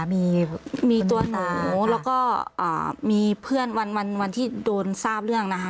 มีตัวหนูแล้วก็มีเพื่อนวันที่โดนทราบเรื่องนะคะ